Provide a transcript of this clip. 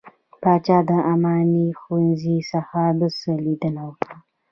پاچا د اماني ښوونځي څخه څخه ليدنه وکړه .